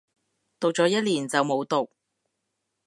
讀咗一年就冇讀